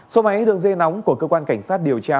số máy đường dây nóng của cơ quan cảnh sát điều tra